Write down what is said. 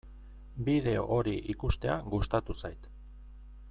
Bideo hori ikustea gustatu zait.